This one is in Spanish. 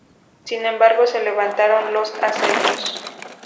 Sin embargo, se levantaron los asedios.